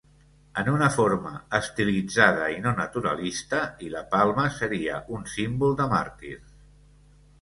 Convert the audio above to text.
En una forma estilitzada i no naturalista, i la palma seria un símbol de màrtirs.